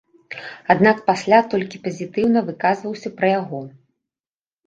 Аднак пасля толькі пазітыўна выказваўся пра яго.